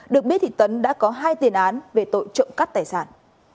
được biết thì tấn đã có hai tiền án về tội trộm cắt tài sản